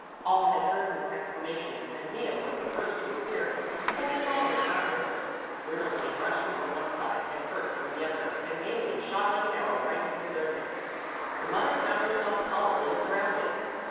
All had heard his exclamations and Mea was the first to appear, pulling Loneli after her. Bruno came rushing from one side and Kurt from the other, and Mäzli shot like an arrow right into their midst. The mother found herself solidly surrounded.